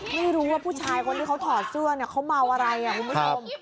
ไม่รู้ว่าผู้ชายคนที่เขาถอดเสื้อเขาเมาอะไรคุณผู้ชม